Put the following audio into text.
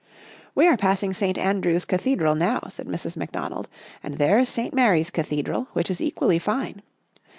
" We are passing St. Andrew's Cathedral now," said Mrs. McDonald. " And there is St. Mary's Cathedral, which is equally fine.